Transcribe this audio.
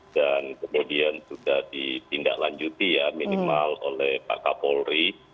dan kemudian sudah ditindaklanjuti ya minimal oleh pak kapolri